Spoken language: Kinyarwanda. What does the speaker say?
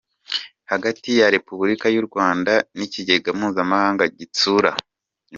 hagati ya Repubulika y‟u Rwanda n‟Ikigega Mpuzamahanga Gitsura